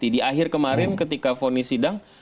di akhir kemarin ketika fonisidang